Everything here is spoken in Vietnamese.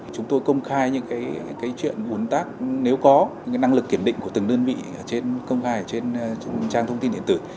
chúng tôi công khai những cái chuyện bốn tác nếu có những cái năng lực kiểm định của từng đơn vị ở trên công khai trên trang thông tin điện tử